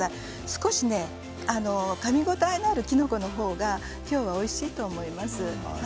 少しかみ応えのあるきのこの方が今日はおいしいと思います。